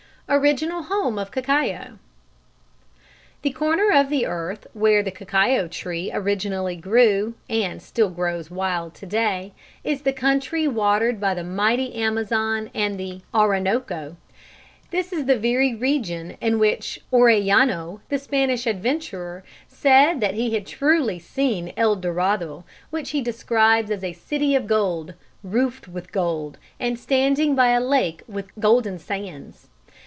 Original Home of Cacao. The corner of the earth where the cacao tree originally grew, and still grows wild to day, is the country watered by the mighty Amazon and the Orinoco. This is the very region in which Orellano, the Spanish adventurer, said that he had truly seen El Dorado, which he described as a City of Gold, roofed with gold, and standing by a lake with golden sands.